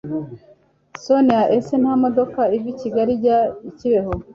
sonia ese nta modoka iva i kigali ijya i kibeho